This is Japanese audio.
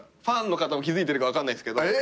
ファンの方も気付いてるか分からないですけど。